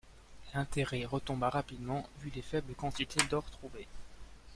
L'intérêt retombera rapidement vu les faibles quantités d'or trouvées.